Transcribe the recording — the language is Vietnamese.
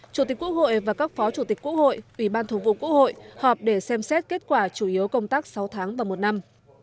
chủ tịch quốc hội và các phó chủ tịch quốc hội ủy ban thường vụ quốc hội họp để xem xét kết quả chủ yếu công tác sáu tháng và một năm